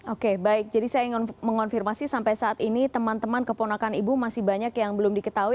oke baik jadi saya ingin mengonfirmasi sampai saat ini teman teman keponakan ibu masih banyak yang belum diketahui